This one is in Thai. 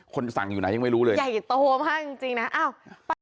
คนสั่งอยู่ไหนยังไม่รู้เลยใหญ่โตมากจริงจริงนะ